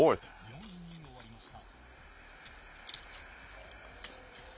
４位に終わりました。